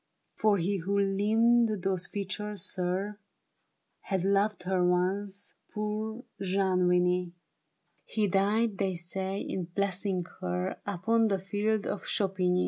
For he w^ho limned those features, sir, Had loved her once ; poor Jean Vigny ! THE BARRICADE. He died, they say, in blessing her, Upon the field of Champigny.